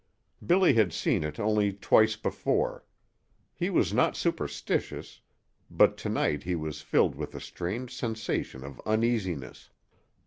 Billy had seen it only twice before. He was not superstitious, but to night he was filled with a strange sensation of uneasiness.